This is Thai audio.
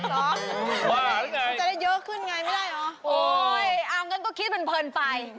หรอจะได้เยอะขึ้นไงไม่ได้หรอเอาอย่างนั้นก็คิดเป็นเพลินไป